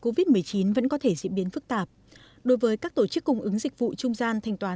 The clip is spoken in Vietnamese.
covid một mươi chín vẫn có thể diễn biến phức tạp đối với các tổ chức cung ứng dịch vụ trung gian thanh toán